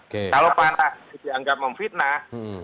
kalau pak antarsari dianggap memfitnah